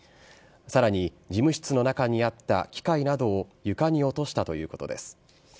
さらに事務室の中にあった機械などを床に落としたということです。